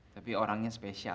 tapi orangnya spesial